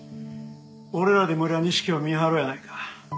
俺らで村西家を見張ろうやないか。